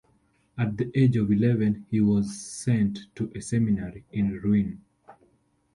At the age of eleven he was sent to a seminary in Rouen.